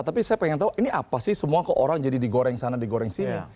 tapi saya pengen tahu ini apa sih semua kok orang jadi digoreng sana digoreng sini